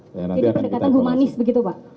jadi persekatan humanis begitu pak